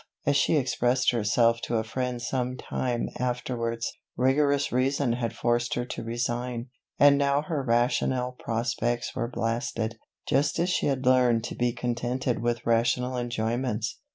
as she expressed herself to a friend some time afterwards, "rigorous reason had forced her to resign; and now her rational prospects were blasted, just as she had learned to be contented with rational enjoyments".